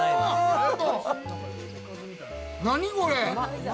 何これ。